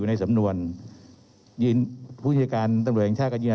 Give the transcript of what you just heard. เรามีการปิดบันทึกจับกลุ่มเขาหรือหลังเกิดเหตุแล้วเนี่ย